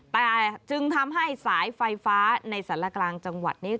แต่จึงทำให้สายไฟฟ้าในสารกลางจังหวัดนี้